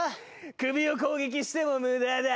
首を攻撃しても無駄だ。